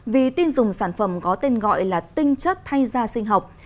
vì tin dùng sản phẩm có tên gọi là tinh chất thay da sinh học